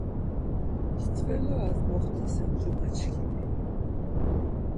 Stveloras moxtasen cumaçkimi.